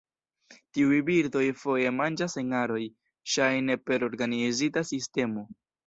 Tiuj birdoj foje manĝas en aroj, ŝajne per organizita sistemo.